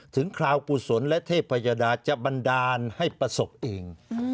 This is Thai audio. คราวกุศลและเทพยดาจะบันดาลให้ประสบเอง